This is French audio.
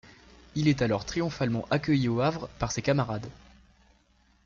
Il est alors triomphalement accueilli au Havre par ses camarades.